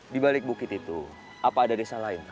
di balik bukit itu apa ada desa lain